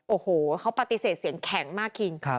โอ้โหเขาปฏิเสธเสียงแข็งมากคิง